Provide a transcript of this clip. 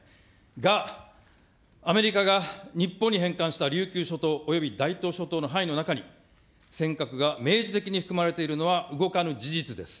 が、アメリカが日本に返還した琉球諸島および大東諸島の範囲の中に、尖閣が明示的に含まれているのは動かぬ事実です。